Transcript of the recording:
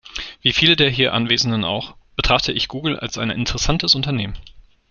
Wie viele der hier Anwesenden auch, betrachte ich Google als ein interessantes Unternehmen.